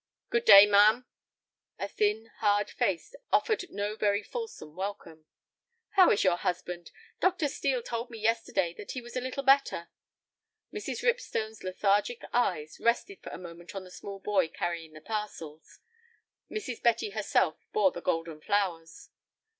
"Good day, ma'am." The thin, hard face offered no very fulsome welcome. "How is your husband? Dr. Steel told me yesterday that he was a little better." Mrs. Ripstone's lethargic eyes rested for a moment on the small boy carrying the parcels. Mrs. Betty herself bore the golden flowers.